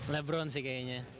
lebron sih kayaknya